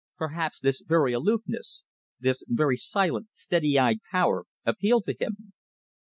Perhaps this very aloofness, this very silent, steady eyed power appealed to him.